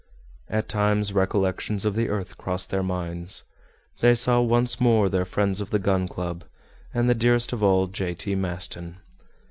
At times recollections of the earth crossed their minds. They saw once more their friends of the Gun Club, and the dearest of all, J. T. Maston.